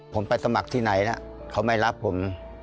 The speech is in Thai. ผมไปสมัครที่ไหนนะเขาไม่รับผม